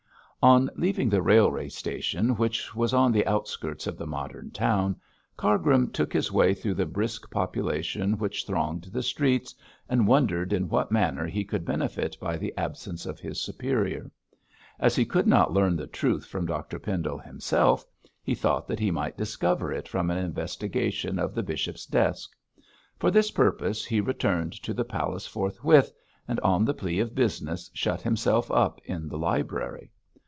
On leaving the railway station, which was on the outskirts of the modern town, Cargrim took his way through the brisk population which thronged the streets, and wondered in what manner he could benefit by the absence of his superior. As he could not learn the truth from Dr Pendle himself, he thought that he might discover it from an investigation of the bishop's desk. For this purpose he returned to the palace forthwith, and on the plea of business, shut himself up in the library.